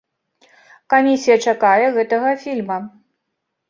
Камісія чакае гэтага фільма.